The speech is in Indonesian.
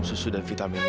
aku sudah mencintai kamila